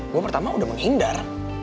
gue pertama udah menghindar